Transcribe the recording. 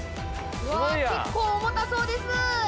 結構重たそうです。